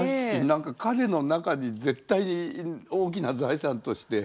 何か彼の中に絶対大きな財産として。